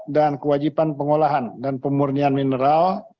kewajiban pengolahan dan pemurnian mineral